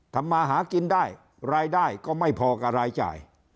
ทำมาหากินได้รายได้ก็ไม่พอกับรายจ่าย